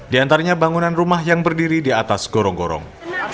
di antaranya bangunan rumah yang berdiri di atas gorong gorong